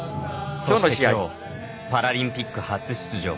そしてきょうパラリンピック初出場。